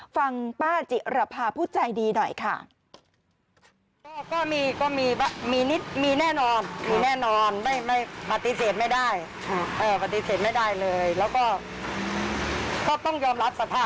ฟังป้าจิระพาผู้ใจดีหน่อยค่ะ